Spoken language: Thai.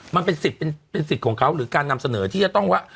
มันเป็นสิทธิ์เป็นสิทธิ์ของเขาหรือการนำเสนอที่จะต้องว่า